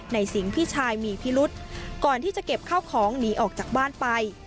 สิงห์พี่ชายมีพิรุษก่อนที่จะเก็บข้าวของหนีออกจากบ้านไป